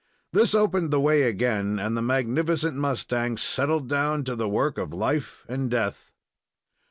This opened the way again and the magnificent mustang settled down to the work of life and death.